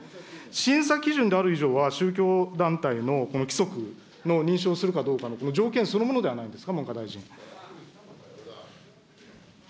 審査基準である以上は、宗教団体のこの規則の認証するかどうか、条件そのものではないですか。